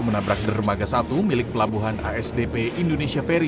menabrak dermaga satu milik pelabuhan asdp indonesia ferry